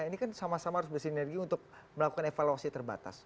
ini kan sama sama harus bersinergi untuk melakukan evaluasi terbatas